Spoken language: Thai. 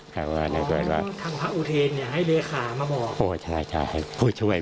ครับว่าโทษนะใช่ผู้ช่วยท่าน